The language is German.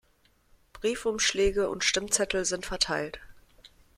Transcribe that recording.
Briefumschläge und Stimmzettel sind verteilt.